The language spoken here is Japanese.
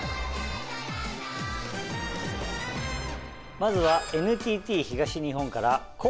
まずはＮＴＴ東日本から。